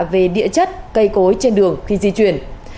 về địa chất cây cối trên đường khi di chuyển